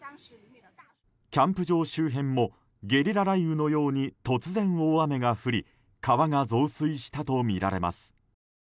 キャンプ場周辺もゲリラ雷雨のように突然、大雨が降り川が増水したとみられます。